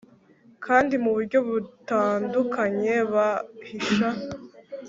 kandi muburyo butandukanye bahisha